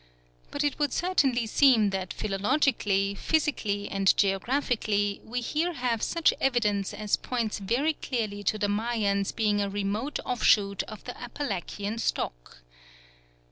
But it would certainly seem that philologically, physically, and geographically we here have such evidence as points very clearly to the Mayans being a remote offshoot of the Apalachian stock.